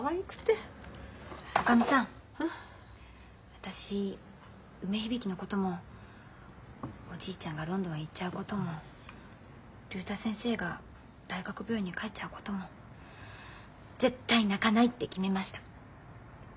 私梅響のこともおじいちゃんがロンドンへ行っちゃうことも竜太先生が大学病院に帰っちゃうことも絶対泣かないって決めました。